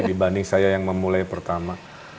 dibanding saya yang memulai pertama